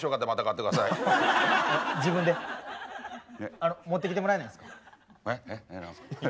あの持ってきてもらえないんですか。